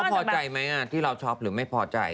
พอใจไหมที่เราช็อปหรือไม่พอใจ